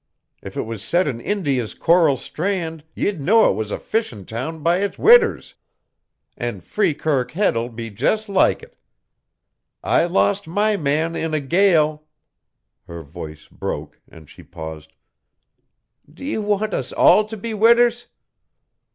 If it was set in India's coral strand ye'd know it was a fishin' town by its widders; an' Freekirk Head'll be just like it. I lost my man in a gale " Her voice broke and she paused. "D'ye want us all to be widders?